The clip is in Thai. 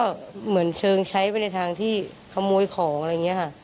ก็เหมือนเชิงใช้ไปในทางที่ขโมยของอะไรอย่างนี้ค่ะ